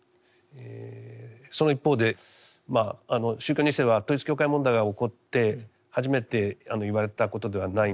その一方で宗教２世は統一教会問題が起こって初めて言われたことではないんですがこの１０年くらいですね